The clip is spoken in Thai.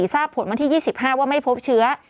ทราบผลวันที่๒๕ว่าไม่พบเชื้อ